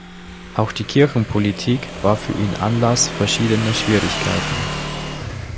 Auch die Kirchenpolitik war für ihn Anlass verschiedener Schwierigkeiten.